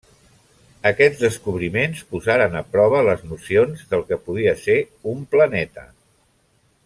Aquests descobriments posaren a prova les nocions del que podia ser un planeta.